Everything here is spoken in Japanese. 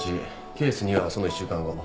ケース２はその１週間後。